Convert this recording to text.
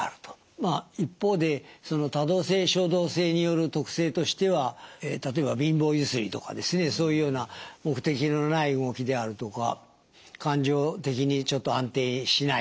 まあ一方でその多動性・衝動性による特性としては例えば貧乏揺すりとかそういうような目的のない動きであるとか感情的にちょっと安定しない。